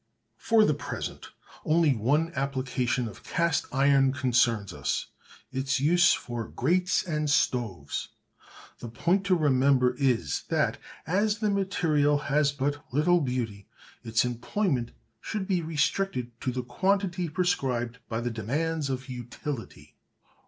For the present only one application of cast iron concerns us its use for grates and stoves. The point to remember is, that as the material has but little beauty, its employment should be restricted to the quantity prescribed by the demands of utility.